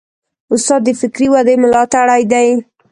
استاد د فکري ودې ملاتړی دی.